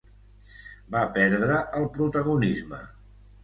Va perdre el protagonisme.